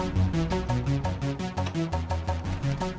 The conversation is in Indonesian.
uang buah yang harus disudah kamu kasih